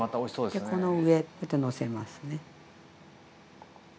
でこの上こうやってのせますね。